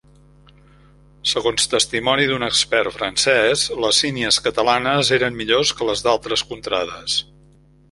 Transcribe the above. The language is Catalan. Segons testimoni d’un expert francès, les sínies catalanes eren millors que les d’altres contrades.